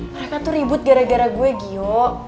mereka tuh ribut gara gara gue giyo